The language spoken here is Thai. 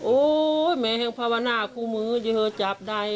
โอ้ยแม้แห่งภาวนาคมือเจ้าเจ้าจับได้